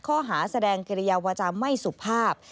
ข้อหาแสดงเกรียวว่าจะไม่สุภาพ